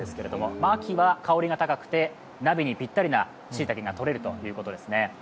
秋は香りが高くて、鍋にぴったりなしいたけが採れるということですね。